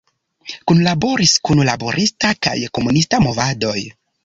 Kunlaboris kun laborista kaj komunista movadoj.